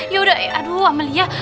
yaudah aduh amelia